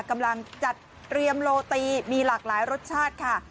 กำลังจัดเตรียมโลตีมีหลากหลายรสชาติค่ะ